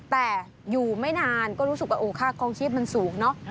แต่อยู่ไม่นานก็รู้สึกว่าโอ้ค่าคลองชีพมันสูงเนอะ